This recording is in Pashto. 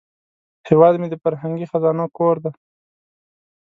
هیواد مې د فرهنګي خزانو کور دی